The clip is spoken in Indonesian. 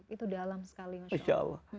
itu dalam sekali masya allah